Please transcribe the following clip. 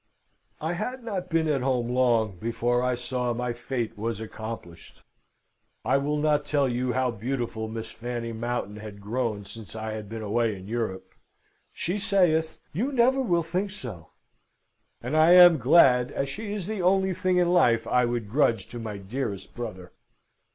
"I had not been at home long before I saw my fate was accomplisht. I will not tell you how beautiful Miss Fanny Mountain had grown since I had been away in Europe. She saith, 'You never will think so,' and I am glad, as she is the only thing in life I would grudge to my dearest brother.